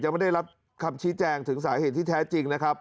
ยังไม่ได้รับคำชี้แจงถึงสาเหตุที่แท้จริง